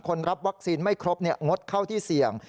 รับวัคซีนไม่ครบงดเข้าที่เสี่ยง